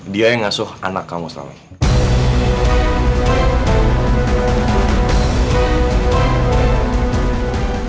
dia yang ngasuh anak kamu selama ini